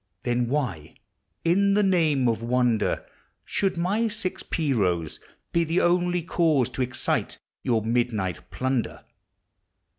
Then why in the name of wonder Should my six pea r<»ws be the <ml.\ cause To excite your midnight plunder?